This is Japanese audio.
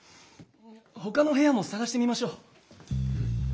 他の部屋も探してみましょう。